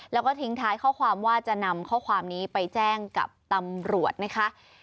แล้วก็ทิ้งท้ายข้อความว่าจะนำข้อความนี้ไปแจ้งกับตำรวจนะคะ